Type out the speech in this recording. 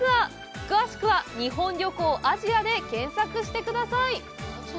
詳しくは「日本旅行アジア」で検索してください。